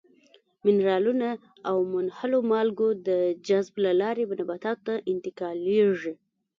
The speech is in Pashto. منرالونه او منحلو مالګو د جذب له لارې نباتاتو ته انتقالیږي.